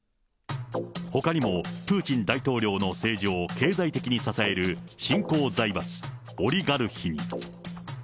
ほかにもプーチン大統領の政治を経済的に支える新興財閥、オリガルヒに。